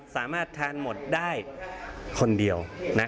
สามารถทานหมดได้คนเดียว